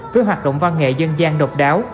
với hoạt động văn nghệ dân gian độc đáo